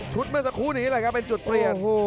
เมื่อสักครู่นี้เลยครับเป็นจุดเปลี่ยน